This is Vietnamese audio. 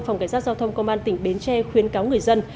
phòng cảnh sát giao thông công an tỉnh bến tre khuyến cáo người dân